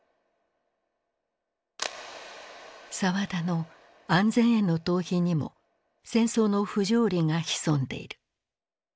沢田の「安全への逃避」にも戦争の不条理が潜んでいる。